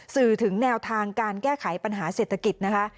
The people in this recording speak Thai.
สื่อถึงแนวทางการแก้ไขปัญหาเศรษฐกิจนะคะ